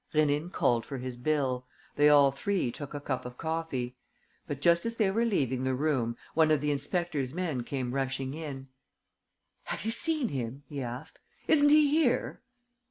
Rénine called for his bill. They all three took a cup of coffee. But, just as they were leaving the room, one of the inspector's men came rushing in: "Have you seen him?" he asked. "Isn't he here?"